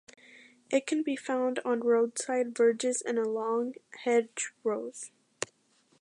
It can be found on roadside verges and along hedgerows.